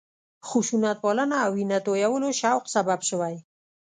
خشونتپالنه او وینه تویولو شوق سبب شوی.